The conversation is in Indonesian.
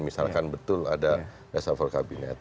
misalkan betul ada reshuffle kabinet